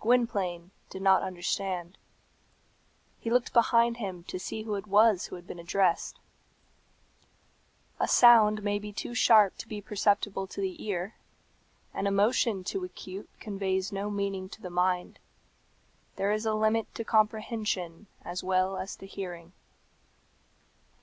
Gwynplaine did not understand. He looked behind him to see who it was who had been addressed. A sound may be too sharp to be perceptible to the ear; an emotion too acute conveys no meaning to the mind. There is a limit to comprehension as well as to hearing.